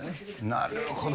なるほど。